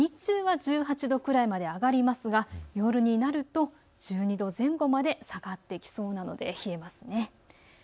日中は１８度くらいまで上がりますが夜になると１２度前後まで下がってきそうです。